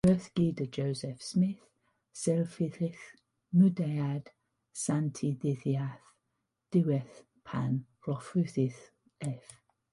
Roedd gyda Joseph Smith, sefydlydd Mudiad Saint y Dyddiau Diwethaf pan lofruddiwyd ef.